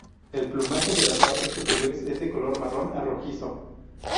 El plumaje de las partes superiores es de color marrón a rojizo.